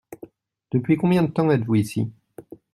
Depuis combien de temps êtes-vous ici ?